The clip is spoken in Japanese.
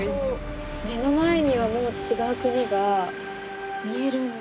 目の前にはもう違う国が見えるんだ。